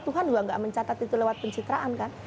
tuhan juga tidak mencatat itu lewat pencitraan